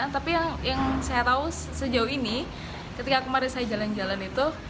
tapi yang saya tahu sejauh ini ketika kemarin saya jalan jalan itu